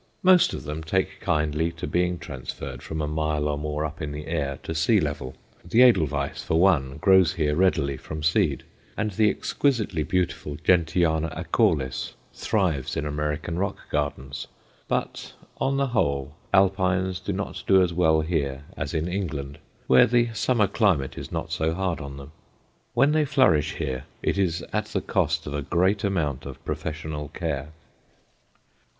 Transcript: Most of them take kindly to being transferred from a mile or more up in the air to sea level; the edelweiss, for one, grows here readily from seed, and the exquisitely beautiful Gentiana acaulis thrives in American rock gardens. But, on the whole, alpines do not do as well here as in England, where the summer climate is not so hard on them. When they flourish here, it is at the cost of a great amount of professional care.